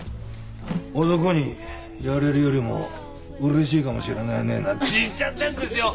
「男に言われるよりもうれしいかもしれないね」なんて言っちゃってんですよ。